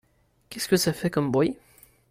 Qu'est-ce que ça fait comme bruit !